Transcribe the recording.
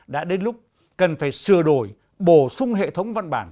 đã đến lúc cần phải sửa đổi bổ sung hệ thống văn bản